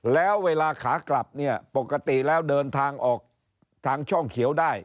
แล้วเวลาขากลับเนี่ยปกติแล้วเดินทางออกทางช่องเขียวได้